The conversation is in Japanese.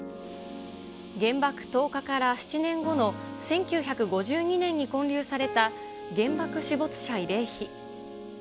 原爆投下から７年後の１９５２年に建立された、原爆死没者慰霊碑。